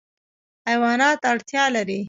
حیوانات اړتیا لري.